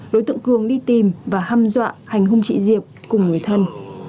đối tượng cường đi tìm và hăm dọa hành hôn chị diệp cùng người thân